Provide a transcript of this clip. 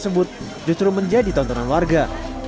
tersebut justru menjadi tontonan warga